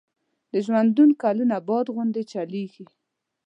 د ژوندون کلونه باد غوندي چلیږي